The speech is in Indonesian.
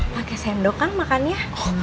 pakai sendokan makannya